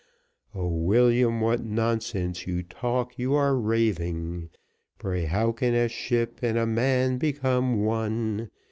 "O William, what nonsense you talk, you are raving; Pray how can a ship and a man become one?